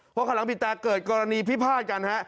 เพราะคันหลังบีบแต้เกิดกรณีพิพาทกันฮะ